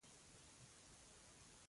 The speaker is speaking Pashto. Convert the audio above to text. هو، ولې نه، څنګه؟